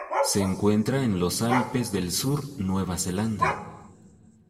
Se encuentra en los Alpes del Sur, Nueva Zelanda.